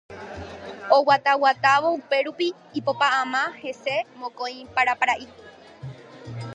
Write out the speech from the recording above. Oguataguatávo upérupi ipopa'ãma hese mokõi parapara'i